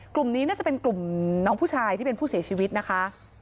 กลุ่มนี้น่าจะเป็นกลุ่มน้องผู้ชายที่เป็นผู้เสียชีวิตนะคะ